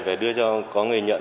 và đưa cho có người nhận